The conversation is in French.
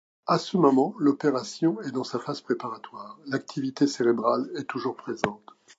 À ce moment, l'opération est dans sa phase préparatoire, l'activité cérébrale est toujours présente.